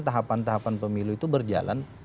tahapan tahapan pemilu itu berjalan